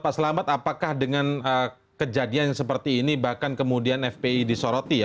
pak selamat apakah dengan kejadian seperti ini bahkan kemudian fpi disoroti ya